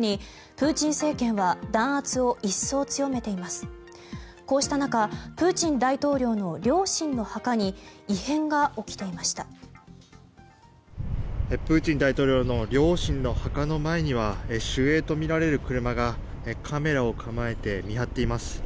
プーチン大統領の両親の墓の前には守衛とみられる車がカメラを構えて見張っています。